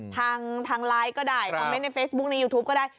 ทางไลน์ก็ได้คอมเมนต์ในเฟซบุ๊คในยูทูปก็ได้